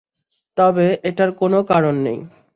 তবে এটার কোনও কারন নেই।